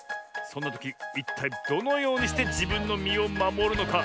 そんなときいったいどのようにしてじぶんのみをまもるのか。